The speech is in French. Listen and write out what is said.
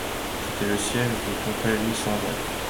C’était le siège d’une confrérie Saint-Jacques.